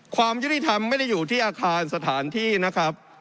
ความยุติธรรมไม่ได้อยู่ที่อาคารสถานที่นะครับ